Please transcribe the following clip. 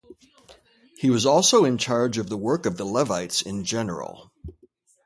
He was also in charge of the work of the Levites in general.